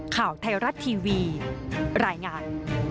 ข่าวไทยรัฐทีวีรายงาน